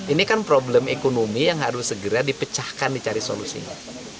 ini kan problem ekonomi yang harus segera dipecahkan dicari solusinya